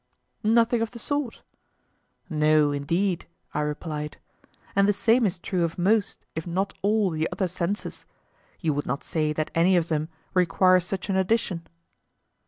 Nothing of the sort. No, indeed, I replied; and the same is true of most, if not all, the other senses—you would not say that any of them requires such an addition?